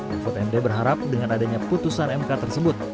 mahfud md berharap dengan adanya putusan mk tersebut